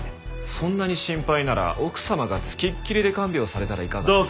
そんなに心配なら奥様がつきっきりで看病されたらいかがですか？